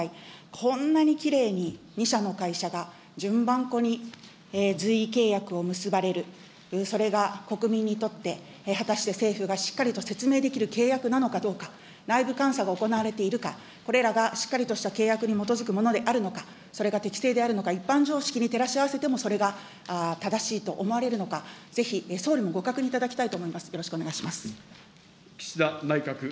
こんなにきれいに２社の会社が順番こに、随意契約を結ばれる、それが国民にとって果たして、政府がしっかりと説明できる契約なのかどうか、内部監査が行われているか、これらがしっかりとした契約に基づくものであるのか、それが適正であるのか、一般常識に照らし合わせても、それが正しいと思われるのか、ぜひ総理もご確認いただきたいと思います、よろしくお願いします。